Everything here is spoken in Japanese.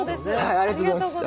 ありがとうございます。